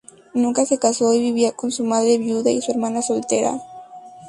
Nunca se casó y vivía con su madre viuda y su hermana soltera.